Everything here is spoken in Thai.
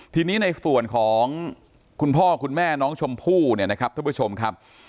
ทีนี้ในส่วนของคุณพ่อคุณแม่น้องชมพู่เนี่ยนะครับท่านผู้ชมครับ